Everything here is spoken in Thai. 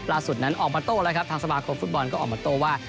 ล่าสุดนั้นออกมาโต้แล้วครับทางสมาคมฟุตบอลก็ออกมาโต้ว่า